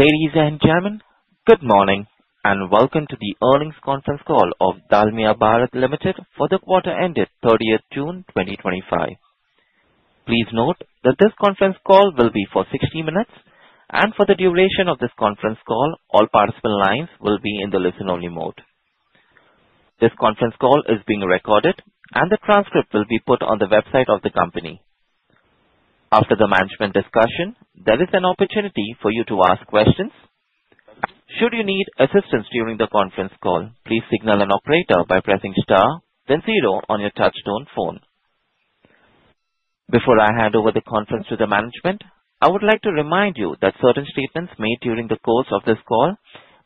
Ladies and gentlemen, good morning and welcome to the earnings conference call of Dalmia Bharat Limited for the quarter ended 30 June 2025. Please note that this conference call will be for 60 minutes and for the duration of this conference call, all participant lines will be in the listen-only mode. This conference call is being recorded and the transcript will be put on the website of the company. After the management discussion, there is an opportunity for you to ask questions. Should you need assistance during the conference call, please signal an operator by pressing star then zero on your touch-tone phone. Before I hand over the conference to the management, I would like to remind you that certain statements made during the course of this call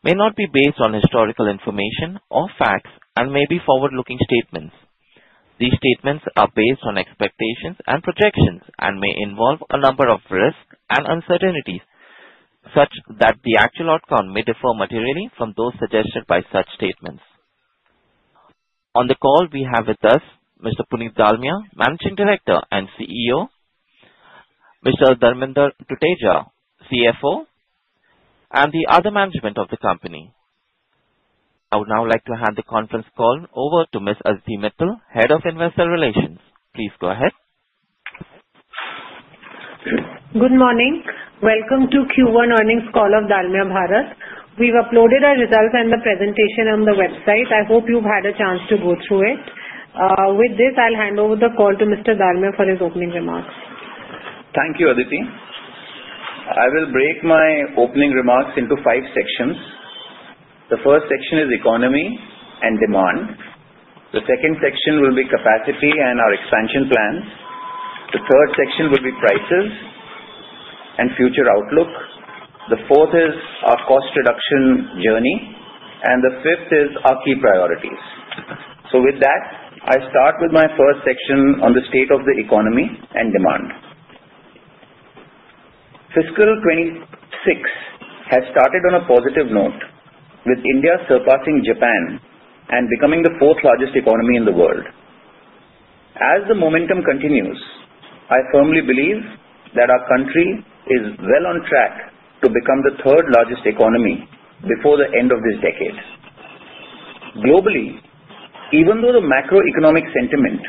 may not be based on historical information or facts and may be forward-looking statements. These statements are based on expectations and projections and may involve a number of risks and uncertainties such that the actual outcome may differ materially from those suggested by such statements. On the call, we have with us Mr. Puneet Dalmia, Managing Director and CEO, Mr. Dharmender Tuteja, CFO, and the other management of the company. I would now like to hand the conference call over to Ms. Azdi Mittal, Head of Investor Relations. Please go ahead. Good morning. Welcome to Q1 earnings call of Dalmia Bharat Limited. We've uploaded our results and the presentation on the website. I hope you've had a chance to go through it. With this, I'll hand over the call to Mr. Dalmia for his opening remarks. Thank you, Aditi. I will break my opening remarks into five sections. The first section is Economy and demand. The second section will be capacity and our expansion plans. The third section will be Prices and future outlook. The fourth is our cost reduction journey and the fifth is our key priorities. With that, I start with my first section on the state of the economy and demand. Fiscal 2026 has started on a positive note with India surpassing Japan and becoming the fourth largest economy in the world. As the momentum continues, I firmly believe that our country is well on track to become the third largest economy before the end of this decade. Globally, even though the macroeconomic sentiment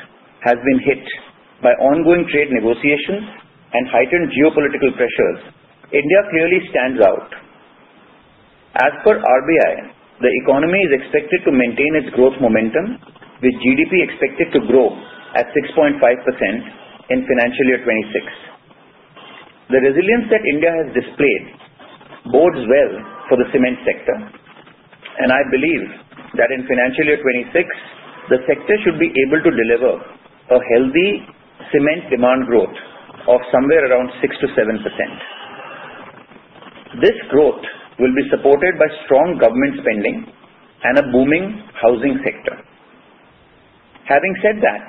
has been hit by ongoing trade negotiations and heightened geopolitical pressures, India clearly stands out. As per RBI, the economy is expected to maintain its growth momentum with GDP expected to grow at 6.5% in financial year 2026. The resilience that India has displayed bodes well for the cement sector. I believe that in financial year 2026, the sector should be able to deliver a healthy cement demand growth of somewhere around 6% to 7%. This growth will be supported by strong government spending and a booming housing sector. Having said that,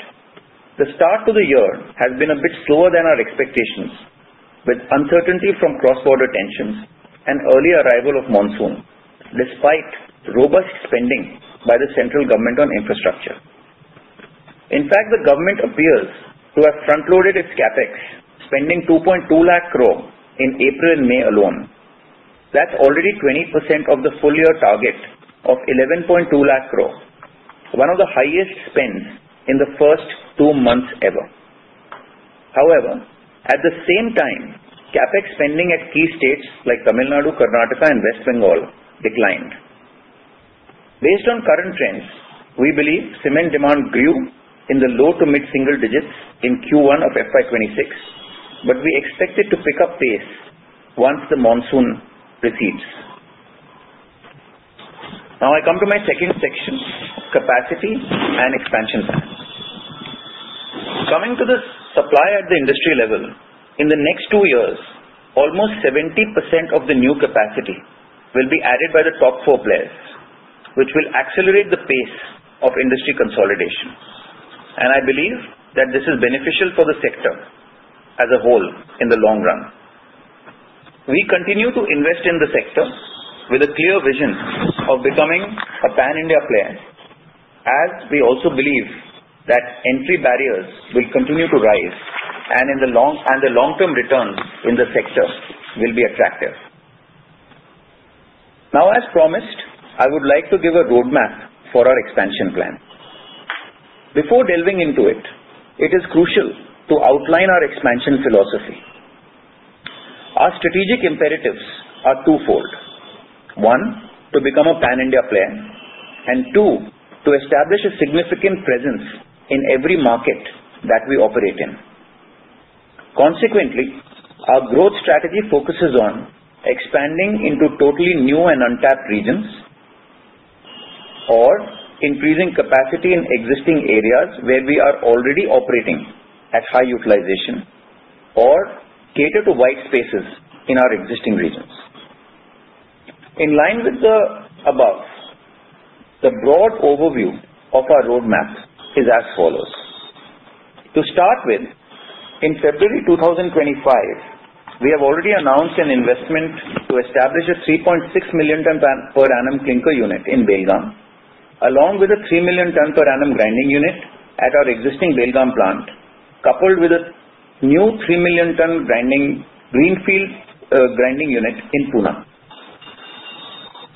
the start to the year has been a bit slower than our expectations with uncertainty from cross-border tensions and early arrival of monsoon despite robust spending by the central government on infrastructure. In fact, the government appears to have front-loaded its CapEx spending, 2.2 lakh crore in April and May alone. That's already 20% of the full year target of 11.2 lakh crore, one of the highest spends in the first two months ever. However, at the same time, CapEx spending at key states like Tamil Nadu, Karnataka, and West Bengal declined. Based on current trends, we believe cement demand grew in the low to mid single digits in Q1 of FY2026, but we expect it to pick up pace once the monsoon recedes. Now I come to my second section, capacity and expansion plan. Coming to the supply at the industry level, in the next two years almost 70% of the new capacity will be added by the top four players, which will accelerate the pace of industry consolidation. I believe that this is beneficial for the sector as a whole in the long run. We continue to invest in the sector with a clear vision of becoming a Pan India player as we also believe that entry barriers will continue to rise and the long-term returns in the sector will be attractive. Now, as promised, I would like to give a roadmap for our expansion plan. Before delving into it, it is crucial to outline our expansion philosophy. Our strategic imperatives are twofold, one to become a Pan India player and two to establish a significant presence in every market that we operate in. Consequently, our growth strategy focuses on expanding into totally new and untapped regions or increasing capacity in existing areas where we are already operating at high utilization or cater to white spaces in our existing regions. In line with the above, the broad overview of our roadmap is as follows. To start with, in February 2025 we have already announced an investment to establish a 3.6 million ton per annum clinker unit in Belgaum along with a 3 million ton per annum grinding unit at our existing Belgaum plant, coupled with a new 3 million ton greenfield grinding unit in Pune.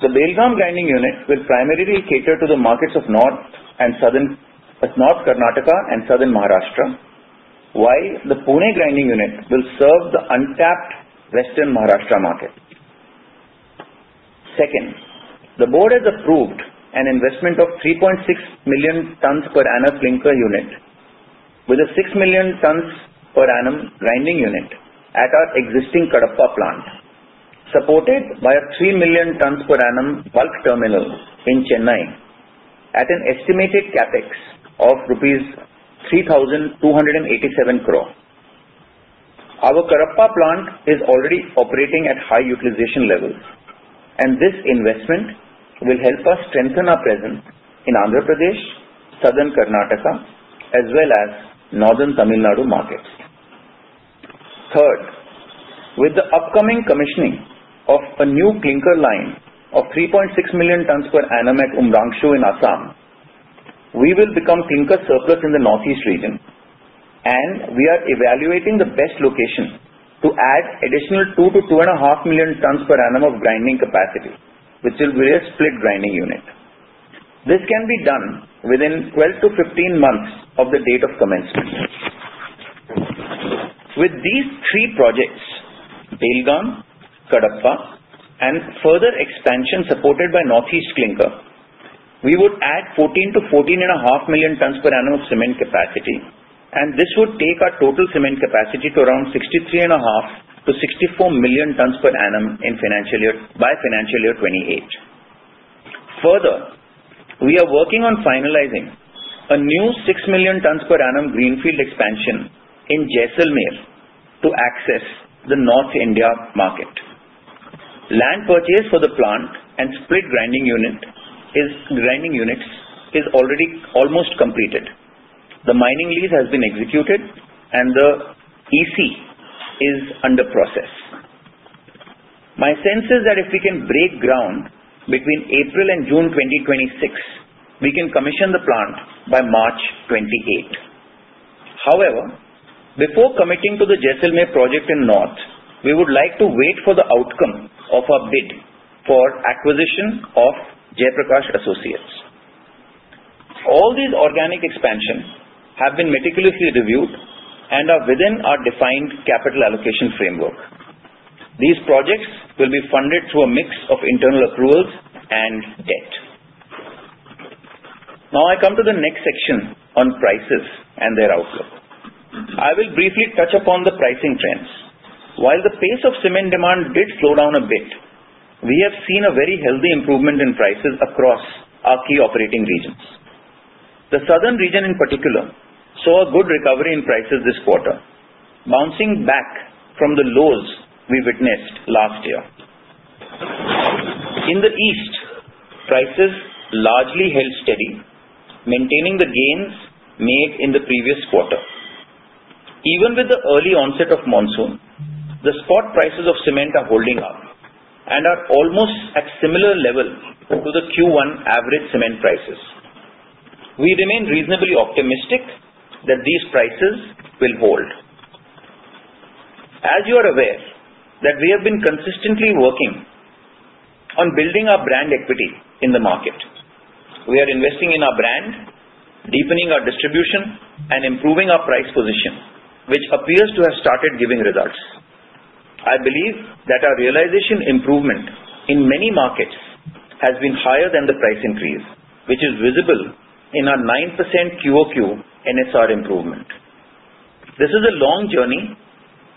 The Belgaum grinding unit will primarily cater to the markets of North Karnataka and Southern Maharashtra, while the Pune grinding unit will serve the untapped western Maharashtra market. Second, the board has approved an investment of 3.6 million tonnes per annum clinker unit with a 6 million tonnes per annum grinding unit at our existing Kadapa plant, supported by a 3 million tonnes per annum bulk terminal in Chennai at an estimated capex of rupees 3,287 crore. Our Kadapa plant is already operating at high utilization levels and this investment will help us strengthen our presence in Andhra Pradesh, Southern Karnataka as well as northern Tamil Nadu markets. Third, with the upcoming commissioning of a new clinker line of 3.6 million tons per annum at Umrangshu in Assam, we will become clinker surplus in the Northeast region and we are evaluating the best location to add additional 2 to 2.5 million tonnes per annum of grinding capacity, which will be a split grinding unit. This can be done within 12 to 15 months of the date of commencement. With these three projects, Belgaum, Kadapa and further expansion supported by Northeast clinker, we would add 14 to 14.5 million tons per annum of cement capacity and this would take our total cement capacity to around 63.5 to 64 million tonnes per annum by financial year 2028. Further, we are working on finalizing a new 6 million tonnes per annum greenfield expansion in Jaisalmer to access the North India market. Land purchased for the plant and split grinding units is already almost completed. The mining lease has been executed and the EC is under process. My sense is that if we can break ground between April and June 2026, we can commission the plant by March 2028. However, before committing to the Jaisalmer project in North, we would like to wait for the outcome of our bid for acquisition of Jaiprakash Associates Limited. All these organic expansions have been meticulously reviewed and are within our defined capital allocation framework. These projects will be funded through a mix of internal accruals and debt. Now I come to the next section on prices and their outlook. I will briefly touch upon the pricing trends. While the pace of cement demand did slow down a bit, we have seen a very healthy improvement in prices across our key operating regions. The southern region in particular saw a good recovery in prices this quarter, bouncing back from the lows we witnessed last year. In the east, prices largely held steady, maintaining the gains made in the previous quarter. Even with the early onset of monsoon, the spot prices of cement are holding up and are almost at similar level to the Q1 average cement prices. We remain reasonably optimistic that these prices will hold. As you are aware, we have been consistently working on building our brand equity in the market. We are investing in our brand, deepening our distribution, and improving our price position, which appears to have started giving results. I believe that our realization improvement in many markets has been higher than the price increase, which is visible in our 9% QoQ NSR improvement. This is a long journey,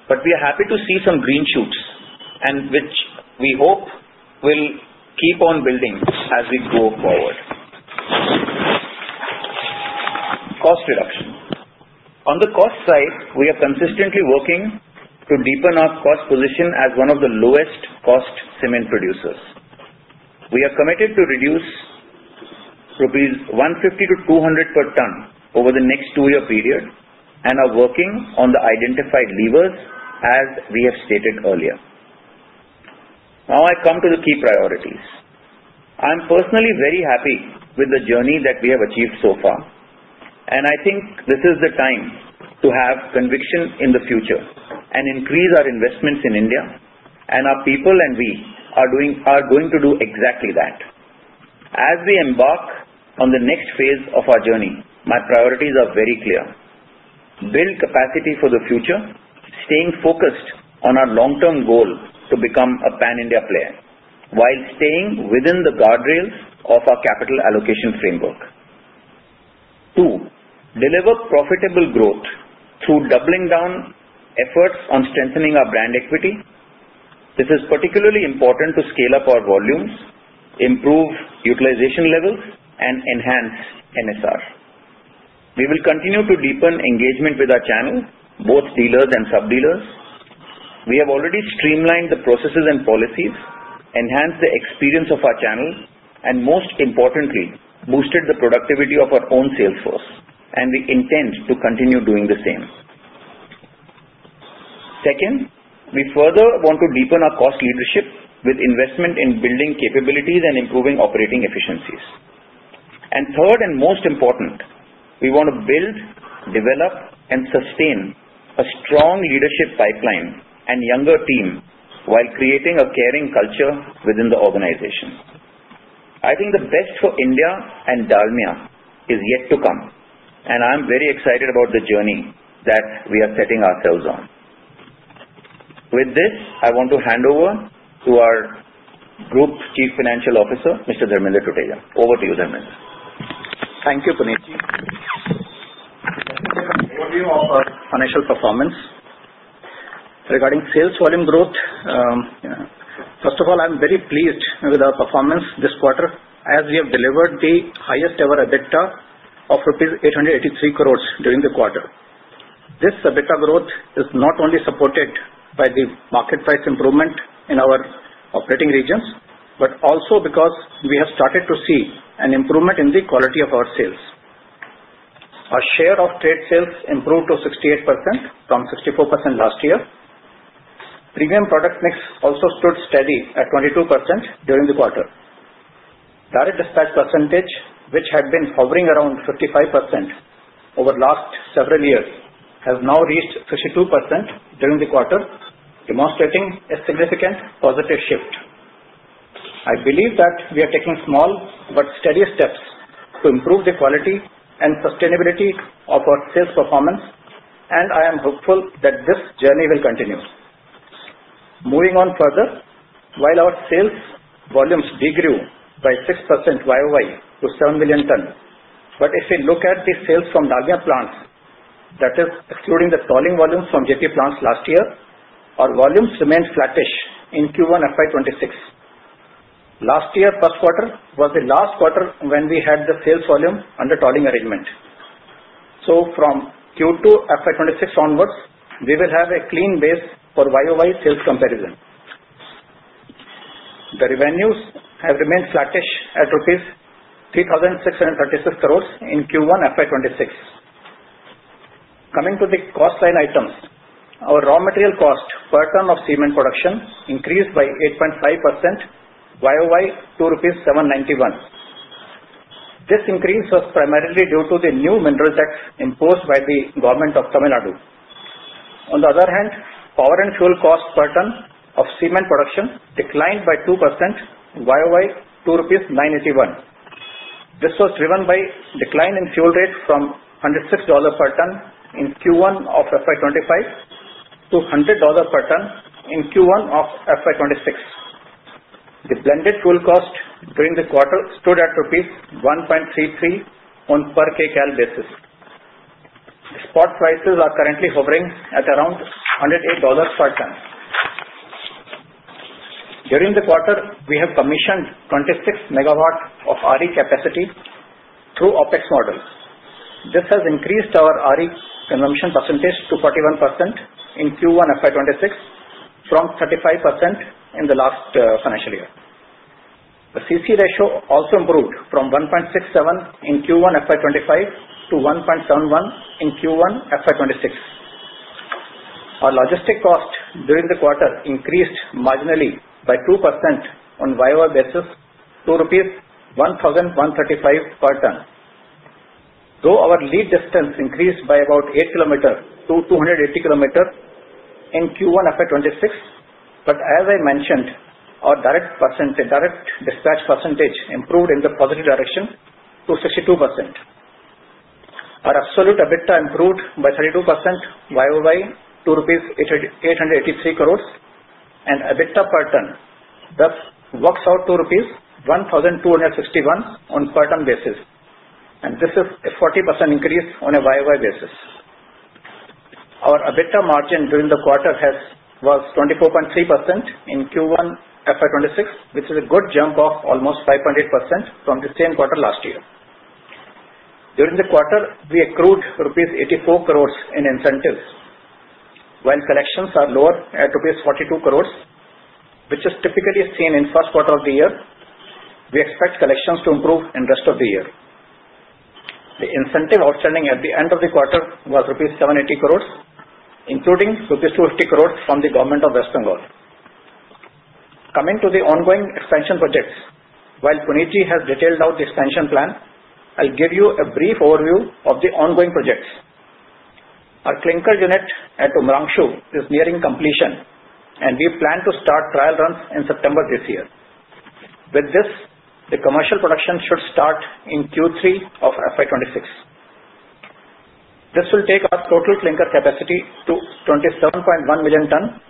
but we are happy to see some green shoots, which we hope will keep on building as we go forward. On the cost side, we are consistently working to deepen our cost position as one of the lowest cost cement producers. We are committed to reduce rupees 150 to 200 per tonne over the next two-year period and are working on the identified levers as we have stated earlier. Now I come to the key priorities. I'm personally very happy with the journey that we have achieved so far, and I think this is the time to have conviction in the future and increase our investments in India and our people. We are going to do exactly that as we embark on the next phase of our journey. My priorities are very clear: build capacity for the future, staying focused on our long term goal to become a Pan India player while staying within the guardrails of our capital allocation framework. 2. Deliver profitable growth through doubling down efforts on strengthening our brand equity. This is particularly important to scale up our volumes, improve utilization levels, and enhance NSR. We will continue to deepen engagement with our channel, both dealers and sub-dealers. We have already streamlined the processes and policies, enhanced the experience of our channel, and most importantly boosted the productivity of our own sales force, and we intend to continue doing the same. Second, we further want to deepen our cost leadership with investment in building capabilities and improving operating efficiencies, and third and most important, we want to build, develop, and sustain a strong leadership pipeline and younger team while creating a caring culture within the organization. I think the best for India and Dalmia Bharat Limited is yet to come, and I'm very excited about the journey that we are setting ourselves on. With this, I want to hand over to our Group Chief Financial Officer, Mr. Dharmender Tuteja. Over to you, Dharmender. Thank you. Financial Performance Regarding sales volume growth, first of all, I'm very pleased with our performance this quarter as we have delivered the highest ever EBITDA of 883 crore rupees during the quarter. This EBITDA growth is not only supported by the market price improvement in our operating regions but also because we have started to see an improvement in the quality of our sales. Our share of trade sales improved to 68% from 64% last year. Premium product mix also stood steady at 22% during the quarter. Direct dispatch percentage, which had been hovering around 55% over the last several years, has now reached 62% during the quarter, demonstrating a significant positive shift. I believe that we are taking small but steady steps to improve the quality and sustainability of our sales performance, and I am hopeful that this journey will continue. Moving on further, while our sales volumes degrew 6% YoY to 7 million tonnes, if we look at the sales from Dalmia plants, that is, excluding the tolling volumes from Jaiprakash Associates Limited plants last year, our volumes remained flattish in Q1 FY2026. Last year, the first quarter was the last quarter when we had the sales volume under tolling arrangement. From Q2 FY2026 onwards, we will have a clean base for YoY sales comparison. The revenues have remained flattish at rupees 3,636 crore in Q1 FY2026. Coming to the cost line items, our raw material cost per tonne of cement production increased by 8.5% YoY to INR 791. This increase was primarily due to the new mineral tax imposed by the government of Tamil Nadu. On the other hand, power and fuel cost per tonne of cement production declined by 2% YoY to 981. This was driven by a decline in fuel rate from $106 per tonne in Q1 of FY2025 to $100 per tonne in Q1 of FY2026. The blended fuel cost during the quarter stood at rupees 1.33 per kilocalorie. Spot prices are currently hovering at around $108 per tonne during the quarter. We have commissioned 26 megawatt of renewable energy capacity through OpEx model. This has increased our renewable energy consumption percentage to 41% in Q1 FY2026 from 35% in the last financial year. The CC ratio also improved from 1.67 in Q1 FY2025 to 1.71 in Q1 FY2026. Our logistics cost during the quarter increased marginally by 2% on YoY basis to 1,135 per tonne. Though our lead distance increased by about 8 kilometers to 280 kilometers in Q1 FY2026, as I mentioned, our direct dispatch percentage improved in the positive direction to 62%. Our absolute EBITDA improved by 32% year to 883 crore and EBITDA per ton. That works out to 1,261 on per ton basis and this is a 40% increase on a year-on-year basis. Our EBITDA margin during the quarter was 24.3% in Q1 FY26, which is a good jump of almost 5.8% from the same quarter last year. During the quarter, we accrued rupees 84 crore in incentives while collections are lower at rupees 42 crore, which is typically seen in the first quarter of the year. We expect collections to improve in the rest of the year. The incentive outstanding at the end of the quarter was rupees 780 crore, including rupees 250 crore from the Government of West Bengal. Coming to the ongoing expansion projects, while Puneet Dalmia has detailed out the expansion plan, I'll give you a brief overview of the ongoing projects. Our clinker unit at Umrangshu is nearing completion and we plan to start trial runs in September this year. With this, the commercial production should start in Q3 of FY26. This will take our total clinker capacity to 27.1 million tonnes.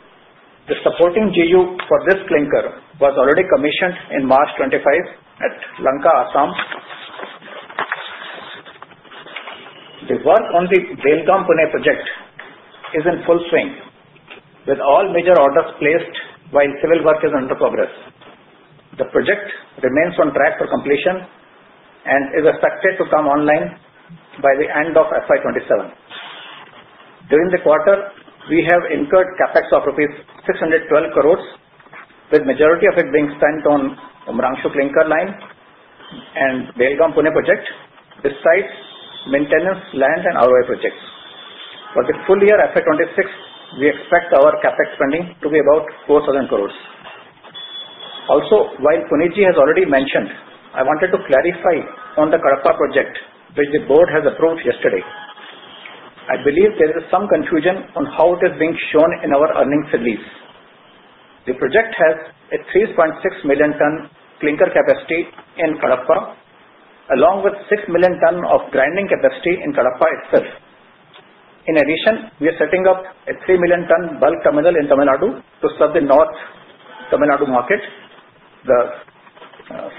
The supporting GU for this clinker was already commissioned in March 25 at Lanka, Assam. The work on the Belgaum Pune project is in full swing with all major orders placed. While civil work is under progress, the project remains on track for completion and is expected to come online by the end of FY27. During the quarter, we have incurred capex of rupees 612 crore with majority of it being spent on Umrangshu Clinker Line and Belgaum Pune project. Besides maintenance line, land, and ROI projects, for the full year FY26, we expect our capex spending to be about 4,000 crore. Also, while Puneet Dalmia has already mentioned, I wanted to clarify on the Kadapa project which the board has approved yesterday. I believe there is some confusion on how it is being shown in our earnings release. The project has a 3.6 million ton clinker capacity in Kadapa along with 6 million ton of grinding capacity in Kadapa itself. In addition, we are setting up a 3 million ton bulk terminal in Tamil Nadu to serve the North Tamil Nadu market. The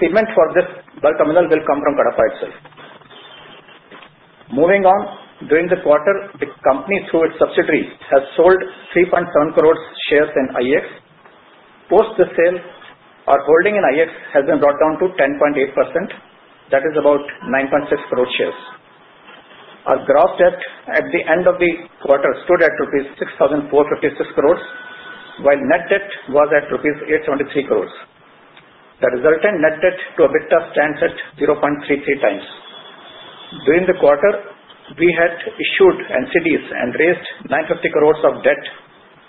cement for this bulk terminal will come from Kadapa itself. Moving on, during the quarter, the company through its subsidiary has sold 3.7 crore shares in IEX. Post this sale, our holding in IEX has been brought down to 10.8%. That is about 9.6 crore shares. Our gross debt at the end of the quarter stood at rupees 6,456 crore while net debt was at rupees 873 crore. The resultant net debt/EBITDA stands at 0.33 times. During the quarter we had issued NCDs and raised INR 950 crore of debt.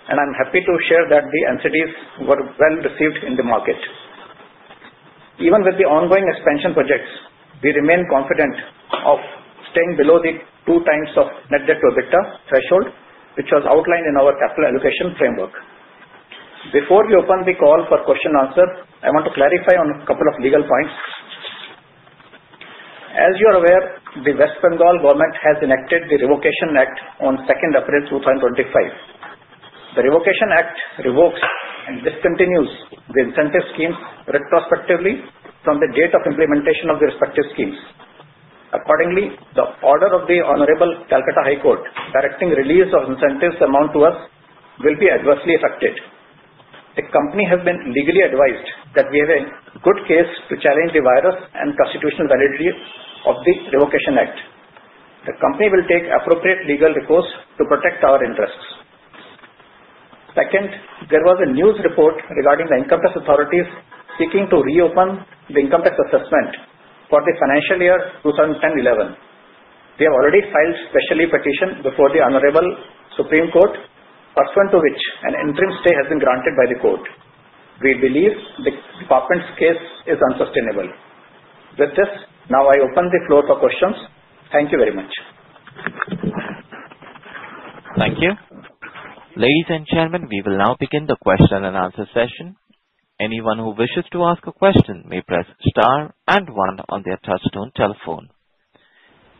I'm happy to share that the NCDs were well received in the market. Even with the ongoing expansion projects, we remain confident of staying below the two times of net debt/EBITDA threshold which was outlined in our capital allocation framework. Before we open the call for question answer, I want to clarify on a couple of legal points. As you are aware, the West Bengal Government has enacted the Revocation Act on 2 April 2025. The Revocation Act revokes and discontinues the incentive schemes retrospectively from the date of implementation of the respective schemes. Accordingly, the order of the Honorable Calcutta High Court directing release of incentives amount to us will be adversely affected. The company has been legally advised that we have a good case to challenge the vires and constitutional validity of the Revocation Act. The company will take appropriate legal recourse to protect our interests. Second, there was a news report regarding the income tax authorities seeking to reopen the income tax assessment for the financial year 2011. They have already filed special leave petition before the Honorable Supreme Court pursuant to which an interim stay has been granted by the Court. We believe the department's case is unsustainable. With this now, I open the floor for questions. Thank you very much. Thank you. Ladies and gentlemen, we will now begin the question and answer session. Anyone who wishes to ask a question may press Star and one on their touchstone telephone.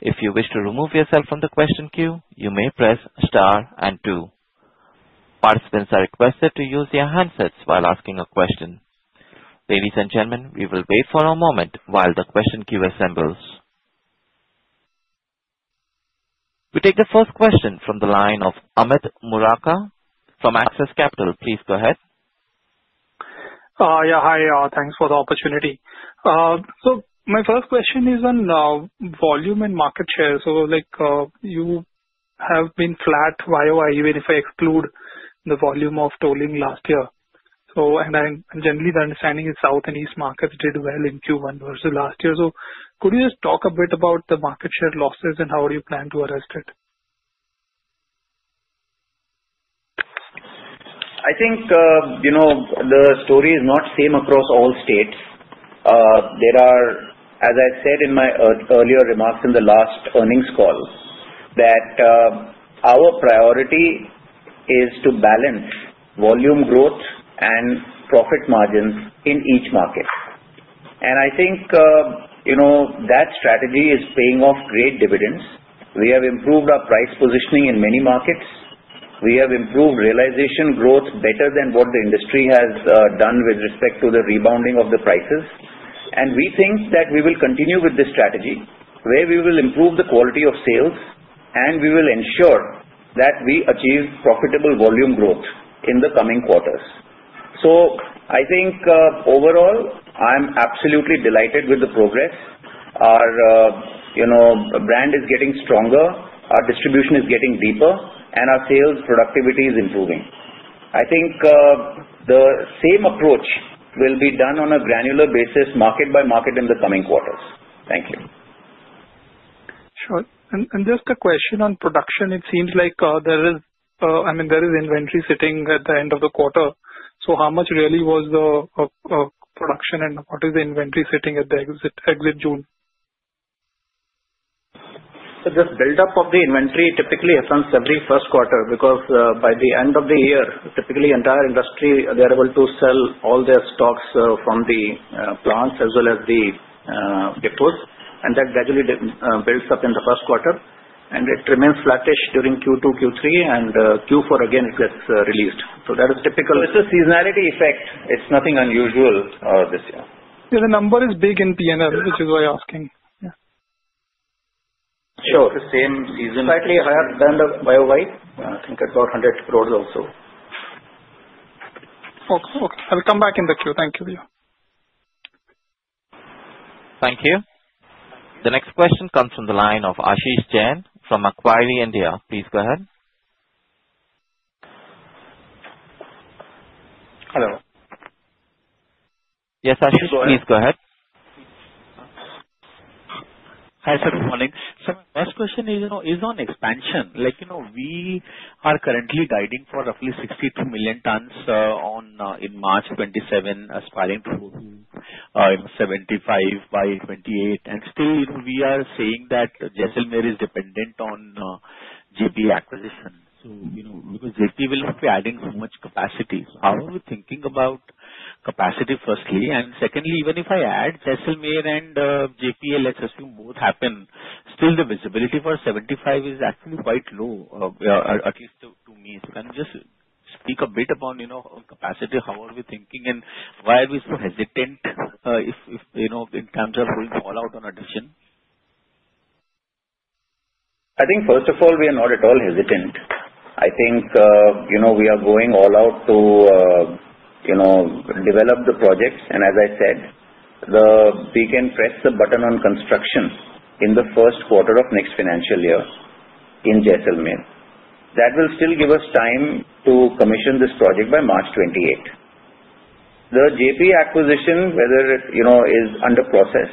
If you wish to remove yourself from the question queue, you may press Star and two. Participants are requested to use their handsets while asking a question. Ladies and gentlemen, we will wait for a moment while the question queue assembles. We take the first question from the line of Amit Muraka from Access Capital. Please go ahead. Hi. Thanks for the opportunity. My first question is on volume and market share. You have been flat year over year even if I exclude the volume of tolling last year, and I'm generally the understanding is south and east markets did well in Q1 versus last year. Could you just talk a bit about the market share losses and how do you plan to arrest it? I think you know the story is not the same across all states. As I said in my earlier remarks in the last earnings call, our priority is to balance volume growth and profit margins in each market, and I think that strategy is paying off great dividends. We have improved our price positioning in many markets. We have improved realization growth better than what the industry has done with respect to the rebounding of the prices, and we think that we will continue with this strategy where we will improve the quality of sales and we will ensure that we achieve profitable volume growth in the coming quarters. I think overall I am absolutely delighted with the progress. Our brand is getting stronger, our distribution is getting deeper, and our sales productivity is improving. I think the same approach will be done on a granular basis, market by market, in the coming quarters. Thank you. Sure. There is inventory sitting at the end of the quarter. How much really was the production, and what is the inventory sitting at the exit June? This buildup of the inventory typically happens every first quarter because by the end of the year typically entire industry, they are able to sell all their stocks from the plants as well as the gifts, and that gradually builds up in the first quarter and it remains flattish. During Q2, Q3, and Q4, again it gets released. That is typical. This is seasonality effect. It's nothing unusual. This year the number is big in. PNL, which is why you're asking. Sure. It's the same season, slightly higher than the bio wide. I think about 100 crore also. I will come back in the queue. Thank you. Thank you. The next question comes from the line of Ashish Jain from Macquarie India. Please go ahead. Hello. Yes, Ashish, please go ahead. Hi, sir. Good morning. My first question is on expansion like, you know, we. Are currently guiding for roughly 63 million. Tons on in March 2027 aspiring to 75 by 2028. We are still saying that Jaisalmer. Is dependent on Jaiprakash Associates Limited acquisition because Jaiprakash Associates Limited. Will not be adding so much capacity. How are we thinking about capacity? Firstly, even if I add Jaisalmer and JAL, let's assume both happen. Still, the visibility for 75 is actually. Can you just speak a bit about, you know, capacity? How are we thinking and why are we so hesitant, you know, in terms of fallout on addition? I think first of all we are not at all hesitant. I think we are going all out to develop the projects and as I said we can press the button on construction in the first quarter of next financial year in Jaisalmer. That will still give us time to commission this project by March 2028. The Jaiprakash Associates Limited acquisition is under process.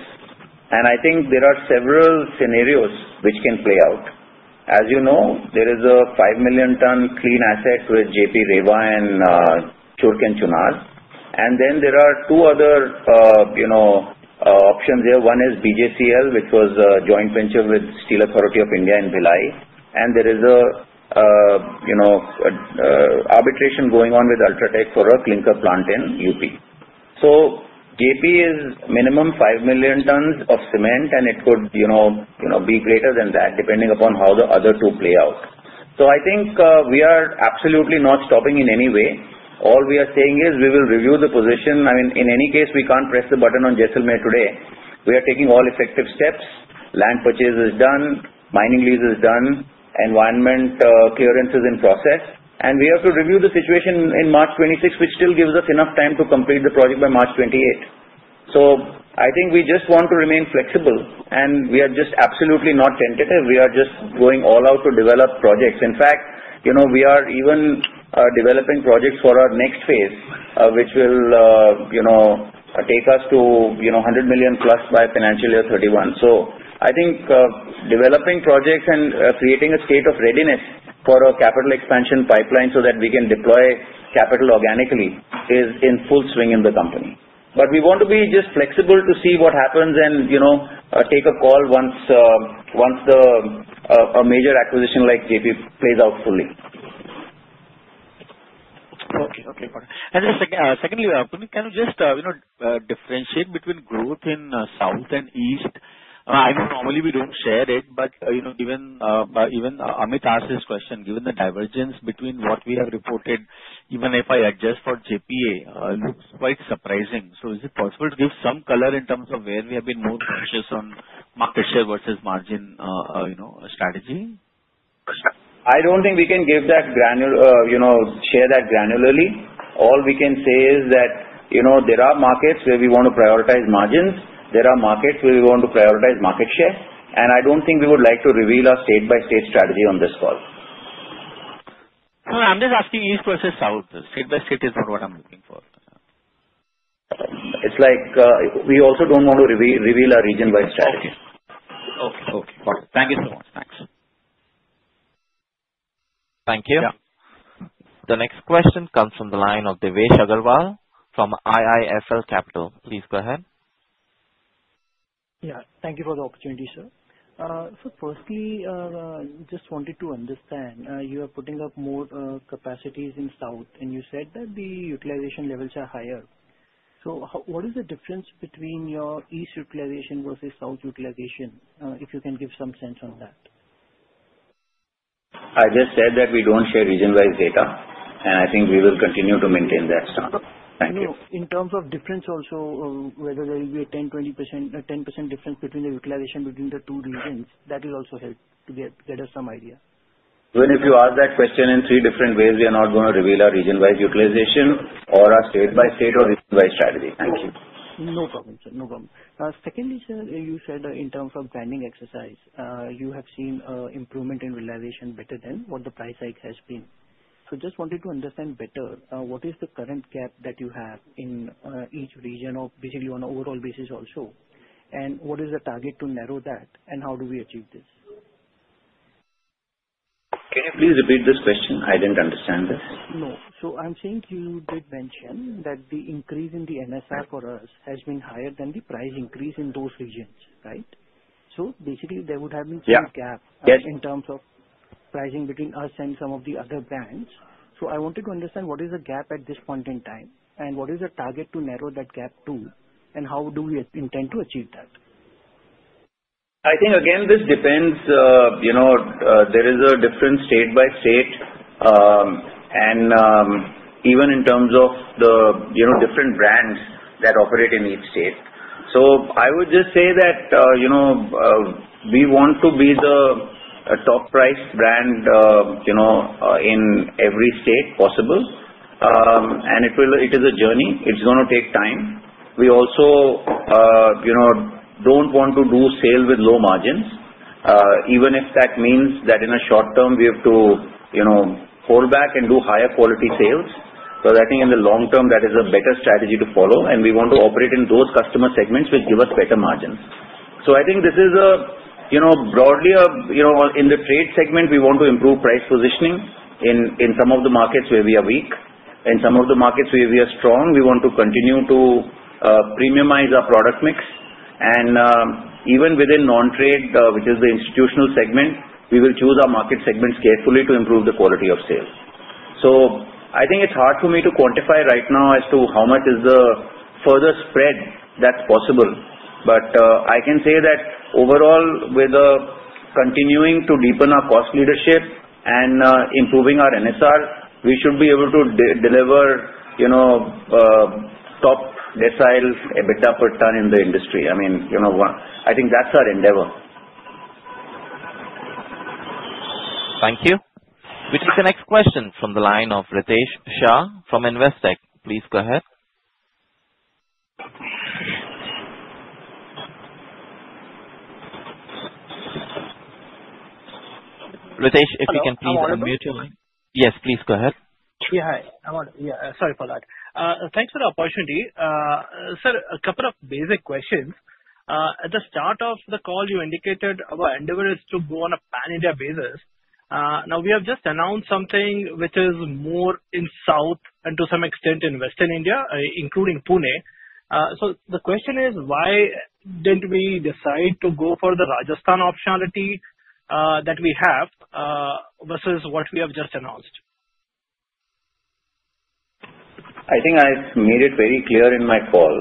I think there are several scenarios which can play out. As you know, there is a 5 million ton clean asset with JP Rewa and Shankargarh Chunar. Then there are two other options. One is BJCL, which was a joint venture with Steel Authority of India in Bhilai. There is an arbitration going on with UltraTech for a clinker plant in Uttar Pradesh. JP is minimum 5 million tonnes of cement and it could be greater than that depending upon how the other two play out. I think we are absolutely not stopping in any way. All we are saying is we will review the position. In any case, we can't press the button on Jaisalmer today. We are taking all effective steps. Land purchase is done, mining lease is done, environment clearances in process. We have to review the situation in March 2026, which still gives us enough time to complete the project by March 2028. I think we just want to remain flexible and we are just absolutely not tentative. We are just going all out to develop projects. In fact, we are even developing projects for our next phase which will take us to 100 million plus by financial year 2031. I think developing projects and creating a state of readiness for our capital expansion pipeline so that we can deploy capital organically is in full swing in the company. We want to be just flexible to see what happens and take a call once a major acquisition like Jaiprakash Associates Limited plays out fully. Could you just differentiate between growth in South and East? I know normally we don't share it. Even Amit asked this question, given. The divergence between what we have reported, even if I adjust for Jaiprakash Associates Limited, looks quite surprising. Is it possible to give some. Color in terms of where we have. Been more cautious on market share versus margin strategy? I don't think we can give that granular, you know, share that granularly. All we can say is that there are markets where we want to prioritize margins, there are markets where we want to prioritize market share. I don't think we would like to reveal our state by state strategy on this call. I'm just asking east versus south state. By state is not what I'm looking for. It's like we also don't want to reveal our region-wide strategy. Thank you so much. Thank you. The next question comes from the line of Divesh Agarwal from IIFL Capital. Please go ahead. Thank you for the opportunity, sir. Firstly, just wanted to understand you are putting up more capacities in South and you said that the utilization levels are higher. What is the difference between your East utilization versus South utilization? If you can give some sense on that. That. I just said that we don't share region-wise data, and I think we will continue to maintain that stance. Thank you. In terms of difference also, whether there will be a 10%, 20%, 10% difference between the utilization between the two regions, that will also help to get us some idea. Even if you ask that question in three different ways, we are not going to reveal our region-wise utilization or a state-by-state or region-by strategy. Thank you. No problem sir, no problem. Secondly, sir, you said in terms of planning exercise you have seen improvement in realization better than what the price hike has been. Just wanted to understand better what is the current gap that you have in each region or basically on overall basis also and what is the target to narrow that and how do we achieve this? Can you please repeat this question? I didn't understand this. No. I'm saying you did mention that the increase in the MSR for us has been higher than the price increase in those regions. Right. Basically there would have been some gap in terms of pricing between us and some of the other brands. I wanted to understand what is the gap at this point in time and what is the target to narrow that gap to and how do we intend to achieve that? I think again this depends. There is a different state-by-state and even in terms of the different brands that operate in each state. I would just say that we want to be the top priced brand in every state possible and it is a journey, it's going to take time. We also. Don't want to do sale with low margins, even if that means that in the short term we have to hold back and do higher quality sales. I think in the long term that is a better strategy to follow, and we want to operate in those customer segments which give us better margins. I think this is broadly in the trade segment. We want to improve price positioning in some of the markets where we are weak. In some of the markets where we are strong, we want to continue to premiumize our product mix, and even within non-trade, which is the institutional segment, we will choose our market segments carefully to improve the quality of sales. It's hard for me to quantify right now as to how much is the further spread that's possible. I can say that overall, with continuing to deepen our cost leadership and improving our NSR, we should be able to deliver top decile EBITDA per ton in the industry. I mean, I think that's our endeavor. Thank you. We take the next question from the line of Ritesh Shah from Envestech. Please go ahead. Ritesh, if you can please unmute your mic. Yes, please go ahead. Sorry for that. Thanks for the opportunity. Sir, a couple of basic questions. At the start of the call you indicated our endeavor is to go on. A pan India basis. Now we have just announced something which is more in South and to some extent in western India, including Pune. The question is why didn't we decide to go for the Rajasthan optionality that we have versus what we have just announced? I think I've made it very clear in my call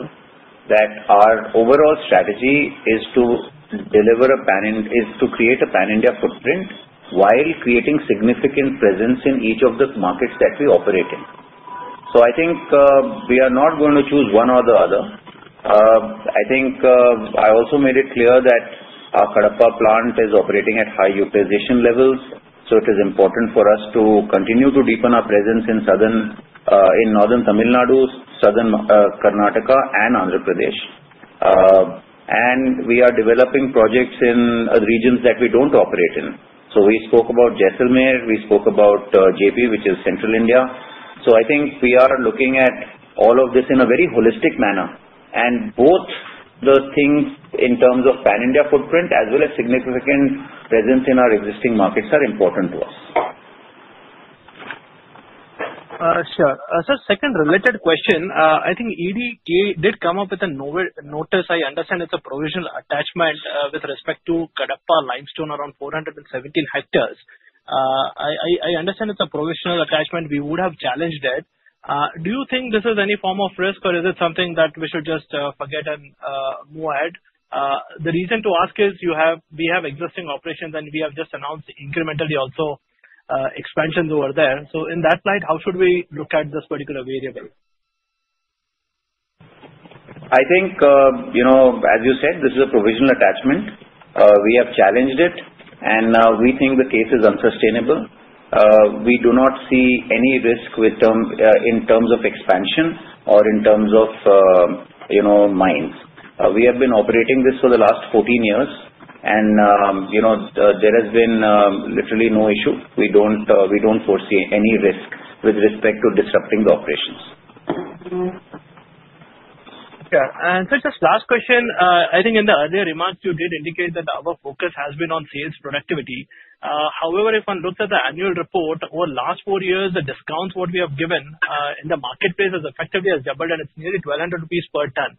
that our overall strategy is to create a pan India footprint while creating significant presence in each of the markets that we operate in. I think we are not going to choose one or the other. I also made it clear that our Kadapa plant is operating at high utilization levels. It is important for us to continue to deepen our presence in southern, in northern Tamil Nadu, southern Karnataka, and Andhra Pradesh. We are developing projects in regions that we don't operate in. We spoke about Jaisalmer, we spoke about JP which is central India. I think we are looking at all of this in a very holistic manner, and both the things in terms of pan India footprint as well as significant presence in our existing markets are important to us. Sure sir. Second related question. I think EDK did come up with a notice. I understand it's a provisional attachment with respect to Kadapa limestone around 417 hectares. I understand it's a provisional attachment. We would have challenged it. Do you think this is any form of risk or is it something that we should just forget and move ahead? The reason to ask is we have existing operations and we have just announced incrementally also expansions over there. In that light, how should we look at this particular variable? I think, as you said, this is a provisional attachment. We have challenged it and we think the case is unsustainable. We do not see any risk with them in terms of expansion or in terms of mines. We have been operating this for the last 14 years and there has been literally no issue. We don't foresee any risk with respect to disrupting the operations. Just last question. I think in the earlier remarks you did indicate that our focus has been on sales productivity. However, if one looks at the annual. Report over the last four years, the discounts, what we have given in the marketplace has effectively doubled, and it's nearly 1,200 rupees per tonne.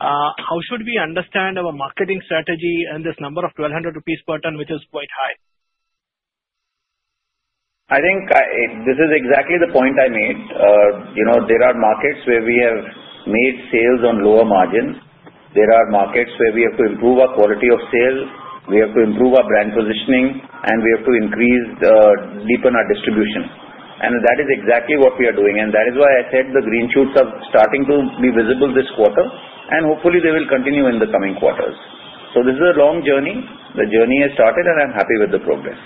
How should we understand our marketing strategy? This number of 1,200 rupees per tonne is quite high. I think this is exactly the point I made. There are markets where we have made sales on lower margins. There are markets where we have to improve our quality of sale, we have to improve our brand positioning, and we have to increase, deepen our distribution. That is exactly what we are doing. That is why I said the green shoots are starting to be visible this quarter and hopefully they will continue in the coming quarters. This is a long journey. The journey has started and I am happy with the progress.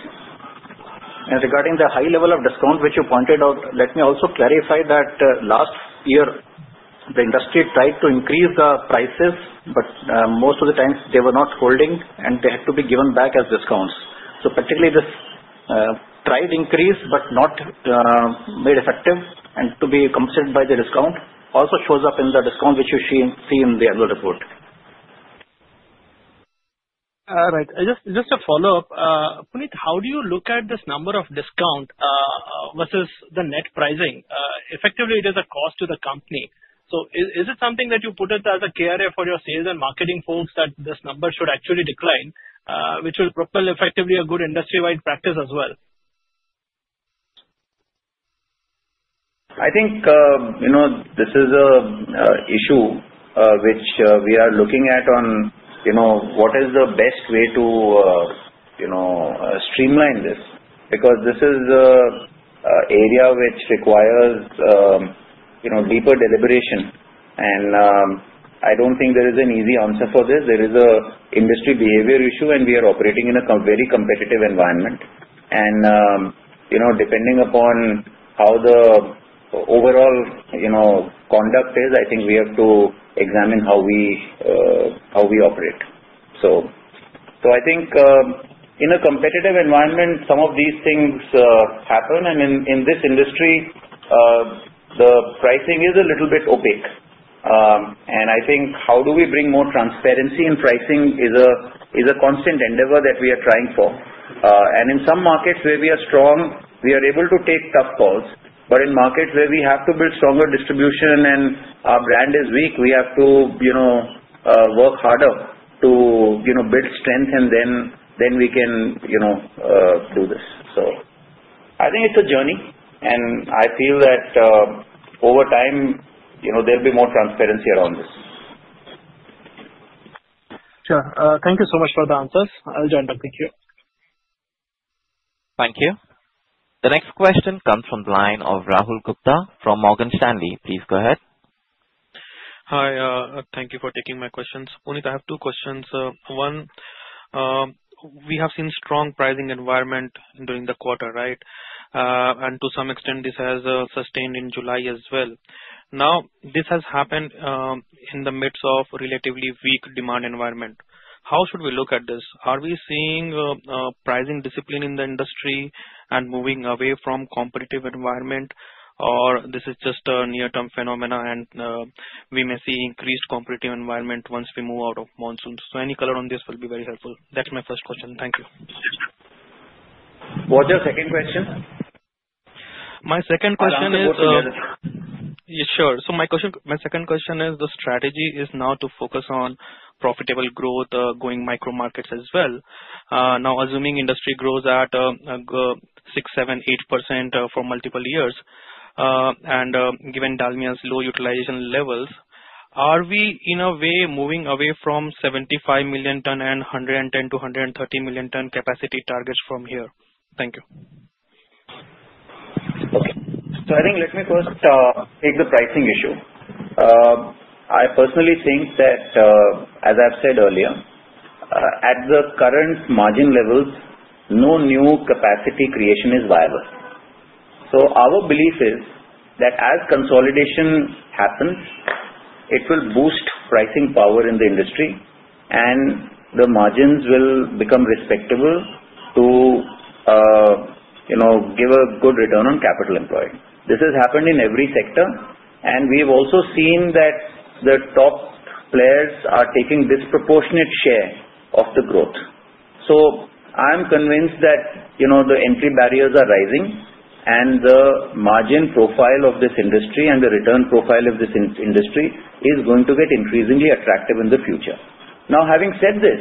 Regarding the high level of discount which you pointed out, let me also clarify that last year the industry tried to increase the prices, but most of the times they were not holding and they had to be given back as discounts. Particularly, this tried increase but not made effective, and to be compensated by the discount also shows up in the discount which you see in the annual report. Right. Just a follow up. Puneet, how do you look at this number of discount versus the net pricing? Effectively, it is a cost to the company. Is it something that you put as a KRA for your sales and marketing folks that this number should actually decline, which will propel effectively a good industry wide practice as well? I think this is an issue which we are looking at on what is the best way to streamline this because this is an area which requires deeper deliberation. I don't think there is an easy answer for this. There is an industry behavior issue and we are operating in a very competitive environment, and depending upon how the overall conduct is, I think we have to examine how we operate. In a competitive environment, some of these things happen, and in this industry the pricing is a little bit opaque. I think how we bring more transparency in pricing is a constant endeavor that we are trying for. In some markets where we are strong, we are able to take tough calls. In markets where we have to build stronger distribution and our brand is weak, we have to work harder to build strength, and then we can do this. I think it's a journey, and I feel that over time, there'll be more transparency around this. Sure. Thank you so much for the answers. I'll join them. Thank you. Thank you. The next question comes from the line of Rahul Gupta from Morgan Stanley. Please go ahead. Hi, thank you for taking my questions. Puneet, I have two questions. One, we have seen strong pricing environment during the quarter, right, and to some extent this has sustained in July as well. This has happened in the midst of relatively weak demand environment. How should we look at this? Are we seeing pricing discipline in the industry and moving away from competitive environment, or is this just a near term phenomena and we may see increased competitive environment once we move out of monsoon? Any color on this will be very helpful. That's my first question. Thank you. What's your second question? My second question is, sure. My second question is the strategy is now to focus on profitable growth, going micro markets as well. Now, assuming industry grows at 6%, 7%, 8% for multiple years and given Dalmia Bharat Limited's low utilization levels, are we in a way moving away from 75 million ton and 110 to 130 million ton capacity targets from here? Thank you. Let me first take the pricing issue. I personally think that, as I've said earlier, at the current margin levels no new capacity creation is viable. Our belief is that as consolidation happens, it will boost pricing power in the industry and the margins will become respectable to give a good return on capital employed. This has happened in every sector, and we've also seen that the top players are taking this disproportionate share of the growth. I am convinced that the entry barriers are rising and the margin profile of this industry and the return profile of this industry is going to get increasingly attractive in the future. Having said this,